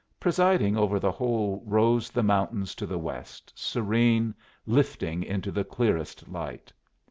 Presiding over the whole rose the mountains to the west, serene, lifting into the clearest light.